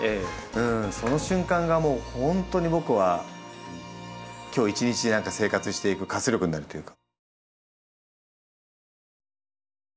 その瞬間がもう本当に僕は今日一日生活していく活力になるというか。